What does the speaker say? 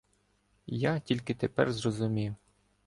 Я тільки тепер зрозумів.